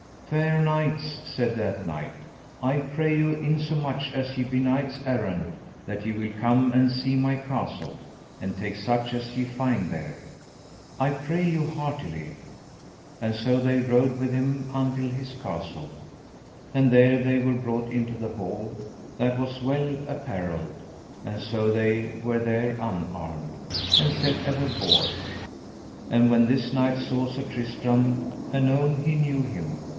Fair knights, said that knight, I pray you insomuch as ye be knights errant, that ye will come and see my castle, and take such as ye find there; I pray you heartily. And so they rode with him until his castle, and there they were brought into the hall, that was well apparelled; and so they were there unarmed, and set at a board; and when this knight saw Sir Tristram, anon he knew him.